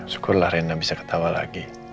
syukurlah rena bisa ketawa lagi